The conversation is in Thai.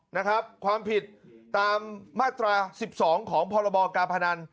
นะครับความผิดตามมาตรา๑๒ของพรบการพนัน